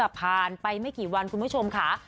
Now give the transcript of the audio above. ทางวัดทางไปไม่กี่วันคุณผู้ชมค่ะ